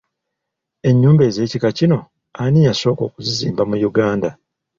Ennyumba ez'ekika kino ani yasooka okuzizimba mu Uganda?